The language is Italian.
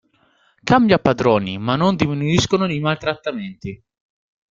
Cambia padroni, ma non diminuiscono i maltrattamenti.